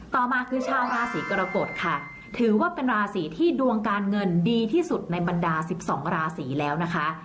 ต่อมาคือชาวราศีกรกฎค่ะถือว่าเป็นราศีที่ดวงการเงินดีที่สุดในบรรดา๑๒ราศีแล้วนะคะ